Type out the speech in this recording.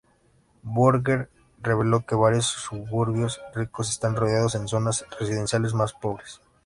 Burger reveló que varios suburbios ricos están rodeados de zonas residenciales más pobres.